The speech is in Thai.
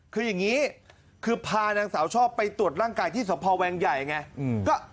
คืออย่างนี้คือพานางสาวชอบไปตรวจร่างกายที่สพแวงใหญ่ไง